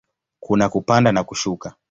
Kuna kupanda na kushuka.